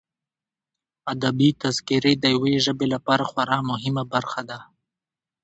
ادبي تذکرې د یوه ژبې لپاره خورا مهمه برخه ده.